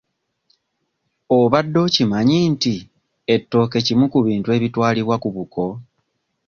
Obadde okimanyi nti ettooke kimu ku bintu ebitwalibwa ku buko?